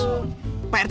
iya pak rt aja